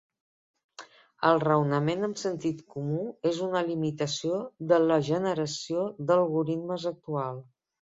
El raonament amb sentit comú és una limitació de la generació d'algoritmes actual.